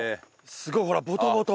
すごい。ほらボトボト。